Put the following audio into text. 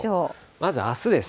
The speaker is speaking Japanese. まずあすです。